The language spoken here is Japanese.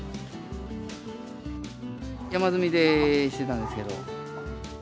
山積みでしてたんですけど。